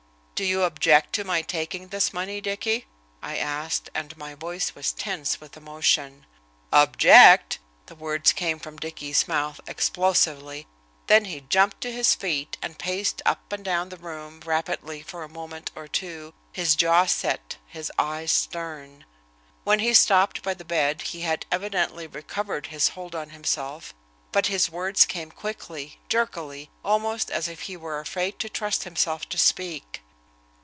"Do you object to my taking this money, Dicky?" I asked, and my voice was tense with emotion. "Object!" the words came from Dicky's mouth explosively, then he jumped to his feet and paced up and down the room rapidly for a moment or two, his jaw set, his eyes stern. When he stopped by the bed he had evidently recovered his hold on himself, but his words came quickly, jerkily, almost as if he were afraid to trust himself to speak.